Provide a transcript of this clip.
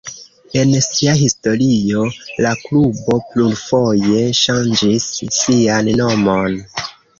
En sia historio la klubo plurfoje ŝanĝis sian nomon.